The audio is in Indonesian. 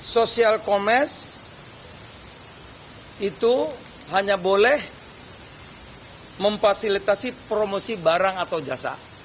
social commerce itu hanya boleh memfasilitasi promosi barang atau jasa